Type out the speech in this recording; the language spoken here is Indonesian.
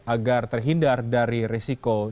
agar terhindar dari risiko